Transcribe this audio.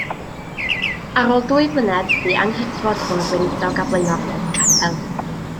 Ar ôl dwy flynedd bu anghydfod rhwng y gweinidog a blaenoriaid y capel.